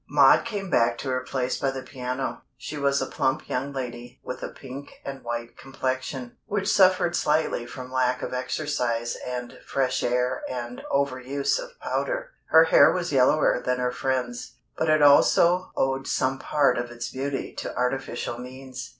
Maud came back to her place by the piano. She was a plump young lady with a pink and white complexion, which suffered slightly from lack of exercise and fresh air and over use of powder. Her hair was yellower than her friend's, but it also owed some part of its beauty to artificial means.